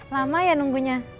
lama ya nunggunya